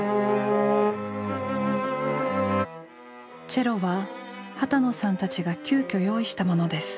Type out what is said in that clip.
チェロは波多野さんたちが急きょ用意したものです。